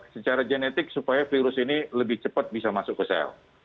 secara genetik supaya virus ini lebih cepat bisa masuk ke sel